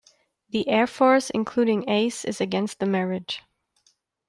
The Air Force, including Ace, is against the marriage.